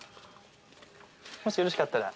もしよろしかったら。